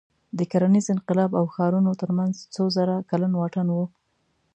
د کرنیز انقلاب او ښارونو تر منځ څو زره کلن واټن و.